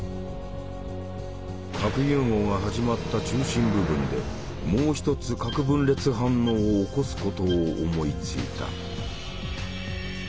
核融合が始まった中心部分でもう一つ核分裂反応を起こすことを思いついた。